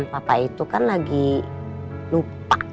papa itu kan lagi lupa